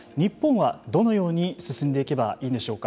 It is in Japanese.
どのように進んでいけばいいんでしょうか。